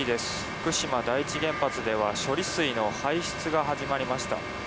福島第一原発では処理水の排出が始まりました。